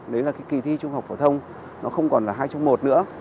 đấy là cái kỳ thi trung học phổ thông nó không còn là hai trong một nữa